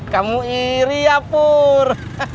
kamu iri ya pur